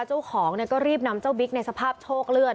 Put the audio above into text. เจ้าของก็รีบนำเจ้าบิ๊กในสภาพโชคเลือด